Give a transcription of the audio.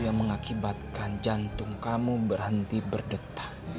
yang mengakibatkan jantung kamu berhenti berdetak